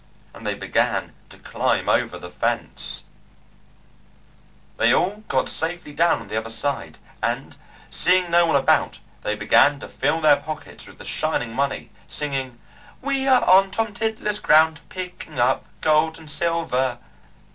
and they began to climb over the fence. They all got safely down on the other side, and seeing no one about they began to fill their pockets with the shining money, singing, "We are on Tom Tiddler's ground, picking up gold and silver."